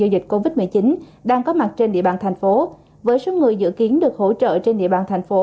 dịch covid một mươi chín đang có mặt trên địa bàn thành phố với số người dự kiến được hỗ trợ trên địa bàn thành phố